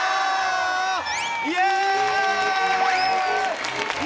イエーイ！